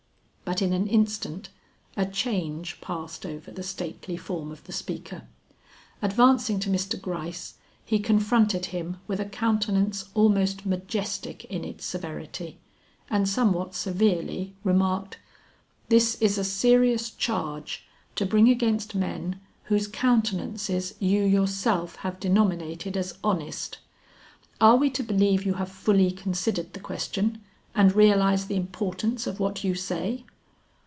But in an instant a change passed over the stately form of the speaker. Advancing to Mr. Gryce, he confronted him with a countenance almost majestic in its severity, and somewhat severely remarked, "This is a serious charge to bring against men whose countenances you yourself have denominated as honest. Are we to believe you have fully considered the question, and realize the importance of what you say?"